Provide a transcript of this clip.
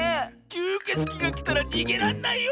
きゅうけつきがきたらにげらんないよ。